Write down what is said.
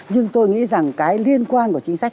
nhưng tôi nghĩ rằng cái liên quan của chính sách